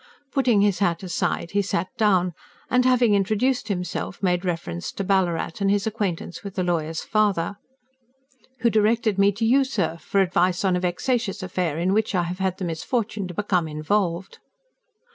Putting his hat aside he sat down, and having introduced himself, made reference to Ballarat and his acquaintance with the lawyer's father: "Who directed me to you, sir, for advice on a vexatious affair, in which I have had the misfortune to become involved."